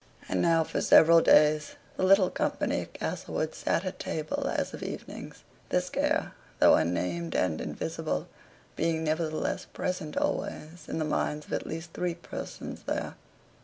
And now for several days the little company at Castlewood sat at table as of evenings: this care, though unnamed and invisible, being nevertheless present alway, in the minds of at least three persons there.